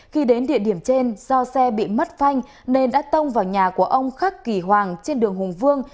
khi đến địa điểm trên do xe bị mất phanh nên đã tông vào nhà của ông khắc kỳ hoàng trên đường hùng vương